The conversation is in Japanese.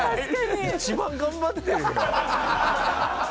一番頑張ってるよ。